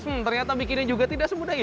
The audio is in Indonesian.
hmm ternyata bikinnya juga tidak semudah ya